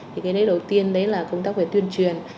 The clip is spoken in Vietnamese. thì cái đấy đầu tiên đấy là công tác về tuyên truyền